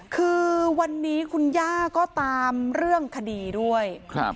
คือวันนี้คุณย่าก็ตามเรื่องคดีด้วย